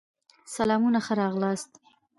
سلامونه ښه راغلاست